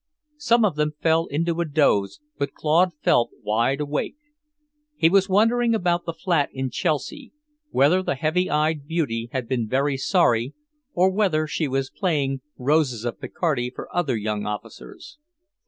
Some of them fell into a doze, but Claude felt wide awake. He was wondering about the flat in Chelsea; whether the heavy eyed beauty had been very sorry, or whether she was playing "Roses of Picardy" for other young officers.